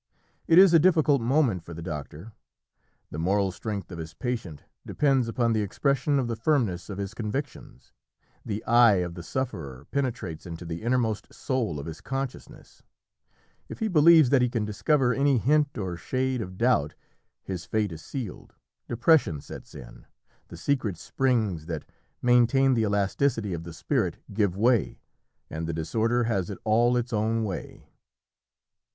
It is a difficult moment for the doctor. The moral strength of his patient depends upon the expression of the firmness of his convictions; the eye of the sufferer penetrates into the innermost soul of his consciousness; if he believes that he can discover any hint or shade of doubt, his fate is sealed; depression sets in; the secret springs that maintain the elasticity of the spirit give way, and the disorder has it all its own way.